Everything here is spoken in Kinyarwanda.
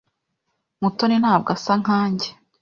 Mutoni ntabwo asa nkanjye.